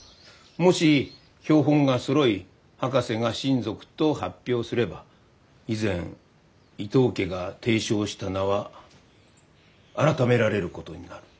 もし標本がそろい博士が新属と発表すれば以前伊藤家が提唱した名は改められることになる。